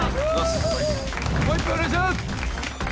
もう一本お願いします！